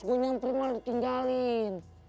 gue nyamper malah ditinggalin